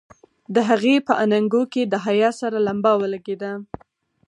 د هغې په اننګو کې د حيا سره لمبه ولګېده.